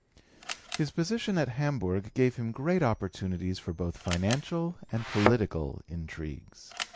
His position at Hamburg gave him great opportunities for both financial and political intrigues.